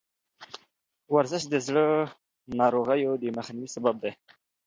ورزش د زړه ناروغیو د مخنیوي سبب دی.